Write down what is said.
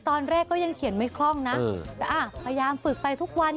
ตอนแรกก็ยังเขียนไม่คล่องนะพยายามฝึกไปทุกวัน